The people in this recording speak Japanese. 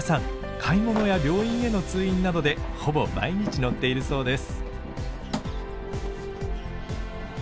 買い物や病院への通院などでほぼ毎日乗っているそうです。